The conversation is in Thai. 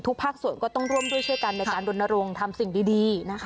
ภาคส่วนก็ต้องร่วมด้วยช่วยกันในการดนรงค์ทำสิ่งดีนะคะ